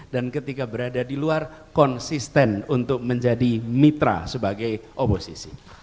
dan ketika berada di luar konsisten untuk menjadi mitra sebagai oposisi